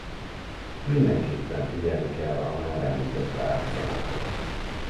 Mindenképpen figyelni kell a már említett párhuzamokra.